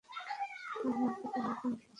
আমাকে তুমি আগুন থেকে সৃষ্টি করেছ।